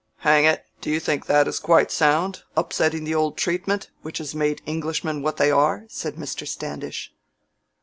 "Hang it, do you think that is quite sound?—upsetting the old treatment, which has made Englishmen what they are?" said Mr. Standish.